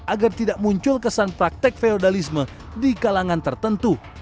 agar tidak muncul kesan praktek feudalisme di kalangan tertentu